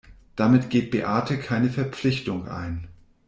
Damit geht Beate keine Verpflichtung ein.